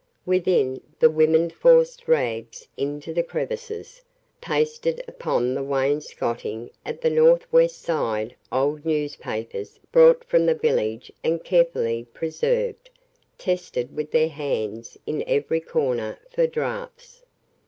Within, the women forced rags into the crevices, pasted upon the wainscotting at the north west side old newspapers brought from the village and carefully preserved, tested with their hands in every corner for draughts.